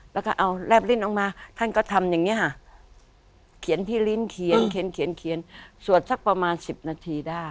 แล้วก็เอาแรบลิ้นออกมาท่านก็ทำอย่างนี้ค่ะเขียนที่ลิ้นเขียนเขียนสวดสักประมาณ๑๐นาทีได้